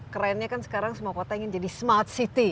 kerennya kan sekarang semua kota ingin jadi smart city